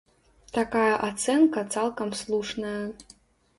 Такая ацэнка цалкам слушная.